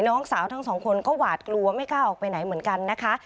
น้องสาวทั้งสองคนก็หวาดกลัวไม่กล้าออกไปไหนเหมือนกันนะคะ